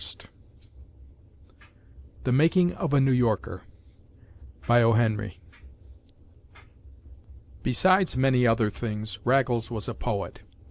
” THE MAKING OF A NEW YORKER Besides many other things, Raggles was a poet.